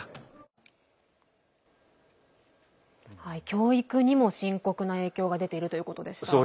教育にも深刻な影響が出ているということでした。